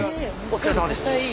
お疲れさまです。